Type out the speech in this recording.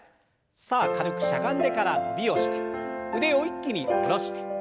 さあ軽くしゃがんでから伸びをして腕を一気に下ろして。